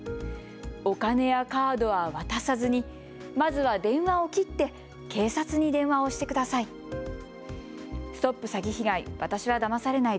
お金やカードは渡さずにまずは電話を切って警察に電話をしてください。